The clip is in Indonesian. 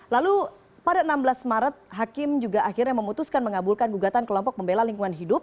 lalu pada enam belas maret hakim juga akhirnya memutuskan mengabulkan gugatan kelompok membela lingkungan hidup